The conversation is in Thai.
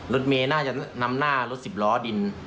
รถเมย์น่าจะนำหน้ารถสิบล้อดิน